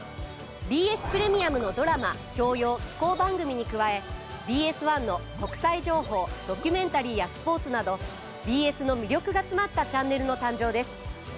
ＢＳプレミアムのドラマ教養紀行番組に加えＢＳ１の国際情報ドキュメンタリーやスポーツなどＢＳの魅力が詰まったチャンネルの誕生です。